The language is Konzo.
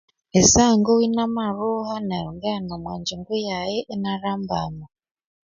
Esehangowa engamalhugha neryongaghenda omwanginko yaye engalhambama